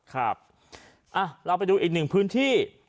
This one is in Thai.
ครับเราไปดูอีกหนึ่งพื้นที่